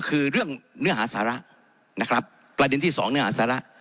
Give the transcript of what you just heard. คือเรื่องเนื้อหาสาระนะครับประเด็นที่สองเนื้อหาสาระ